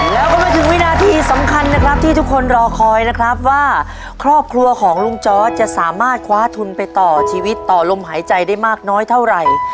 แล้วก็มาถึงวินาทีสำคัญนะครับที่ทุกคนรอคอยนะครับว่าครอบครัวของลุงจอร์ดจะสามารถคว้าทุนไปต่อชีวิตต่อลมหายใจได้มากน้อยเท่าไหร่